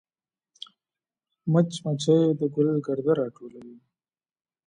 مچمچۍ د ګل ګرده راټولوي